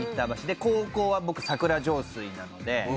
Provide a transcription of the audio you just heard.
で高校は僕桜上水なので。